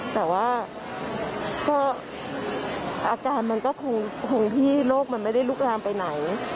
แต่ว่าก็อาการมันก็คงที่โรคมันไม่ได้ลุกลามไปไหน